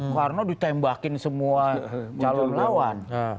karena ditembakin semua calon lawan